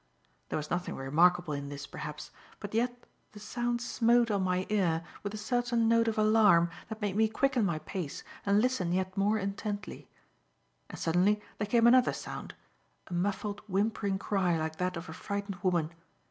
There was nothing remarkable in this, perhaps; but yet the sound smote on my ear with a certain note of alarm that made me quicken my pace and listen yet more intently. And suddenly there came another sound; a muffled, whimpering cry like that of a frightened woman.